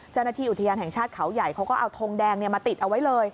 เจ้าหน้าที่อุทยานแห่งชาติเขาใหญ่เขาก็เอาทงแดงมาติดเอาไว้เลย